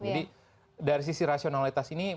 dari sisi rasionalitas ini